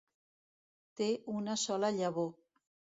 Té una sola llavor.